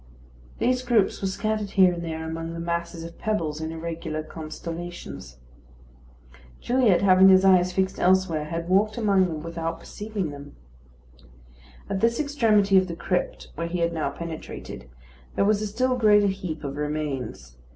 These groups were scattered here and there among the masses of pebbles in irregular constellations. Gilliatt, having his eyes fixed elsewhere, had walked among them without perceiving them. At this extremity of the crypt, where he had now penetrated, there was a still greater heap of remains.